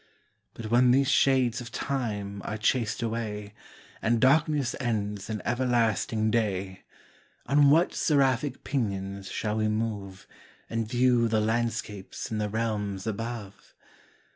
But when these shades of time are chas'd away, And darkness ends in everlasting day, On what seraphic pinions shall we move, And view the landscapes in the realms above?